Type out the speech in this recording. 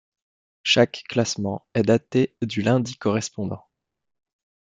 Chaque classement est daté du lundi correspondant.